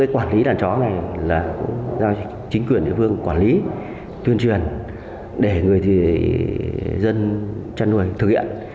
quản lý đàn chó này là chính quyền địa phương quản lý tuyên truyền để người dân chăn nuôi thực hiện